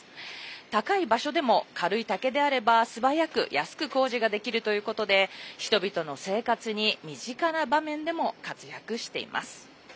高い場所でも軽い竹であれば素早く安く工事ができるということで人々の生活に身近な場面でも活躍しています。